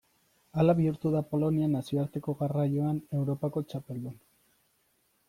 Hala bihurtu da Polonia nazioarteko garraioan Europako txapeldun.